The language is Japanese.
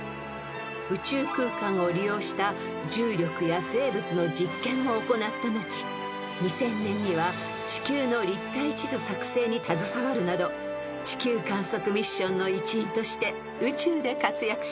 ［宇宙空間を利用した重力や生物の実験を行った後２０００年には地球の立体地図作製に携わるなど地球観測ミッションの一員として宇宙で活躍しました］